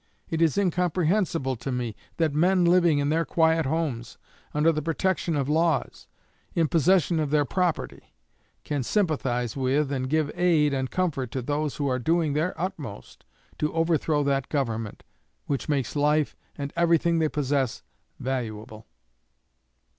It is incomprehensible to me that men living in their quiet homes under the protection of laws, in possession of their property, can sympathize with and give aid and comfort to those who are doing their utmost to overthrow that Government which makes life and everything they possess valuable."